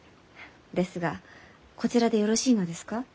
ですがこちらでよろしいのですか？